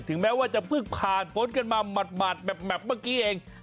แม้ว่าจะเพิ่งผ่านพ้นกันมาหมัดแบบเมื่อกี้เอง